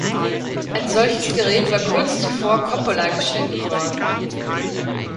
Ein solches Gerät war kurz zuvor Coppola geschenkt worden.